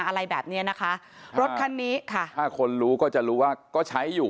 อะไรแบบเนี้ยนะคะรถคันนี้ค่ะถ้าคนรู้ก็จะรู้ว่าก็ใช้อยู่